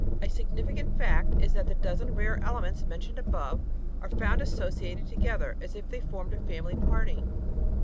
A signifi cant fact is that the dozen rare elements mentioned above are found associated together as if they formed a family party.